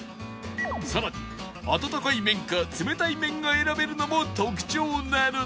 さらに温かい麺か冷たい麺が選べるのも特徴なのだ